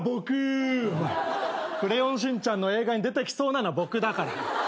『クレヨンしんちゃん』の映画に出てきそうなのは僕だから。